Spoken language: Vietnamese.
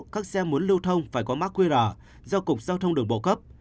các xe muốn lưu thông phải có mã qr do cục giao thông đường bộ cấp